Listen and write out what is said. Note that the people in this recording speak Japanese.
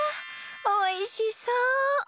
おいしそう！